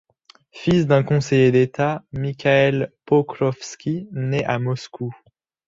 Fils d'un conseiller d’État, Mikhaïl Pokrovski naît à Moscou.